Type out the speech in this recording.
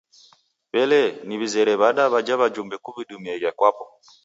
W'elee, niw'izere w'ada w'aja w'ajumbe kuw'idumieghe kwapo?